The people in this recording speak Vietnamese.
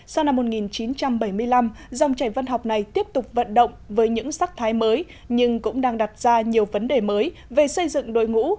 sau năm một nghìn chín trăm bảy mươi năm dòng chảy văn học này tiếp tục vận động với những sắc thái mới nhưng cũng đang đặt ra nhiều vấn đề mới về xây dựng đội ngũ